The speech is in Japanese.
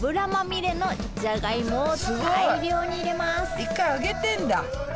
一回揚げてんだ。